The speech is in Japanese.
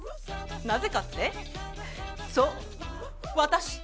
なぜかって？